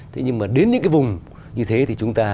thế nhưng mà đến những cái vùng như thế thì chúng ta